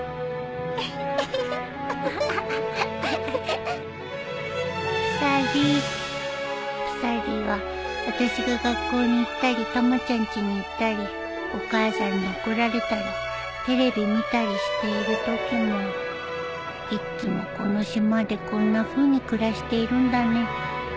［プサディはあたしが学校に行ったりたまちゃんちに行ったりお母さんに怒られたりテレビ見たりしているときもいっつもこの島でこんなふうに暮らしているんだね］